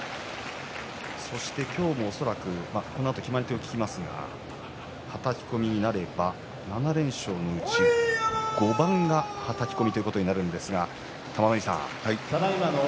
そして今日も恐らくこのあと決まり手を聞きますがはたき込みになれば７連勝のうち５番がはたき込みということになるんですが玉ノ井さん